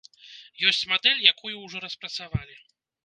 Ёсць мадэль, якую ужо распрацавалі.